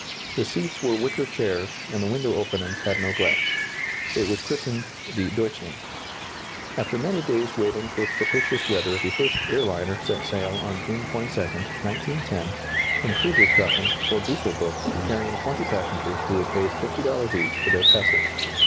The seats were wicker chairs, and the window openings had no glass. It was christened the "Deutschland." After many days waiting for propitious weather the first "air liner" set sail on June 22, 1910, from Friedrichshafen for Düsseldorf, carrying 20 passengers who had paid $50 each for their passage.